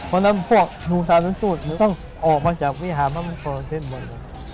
เพราะฉะนั้นพวกดุสารสู้ที่ต้องออกมาจากวิหาพระมงคลพระพิษหมด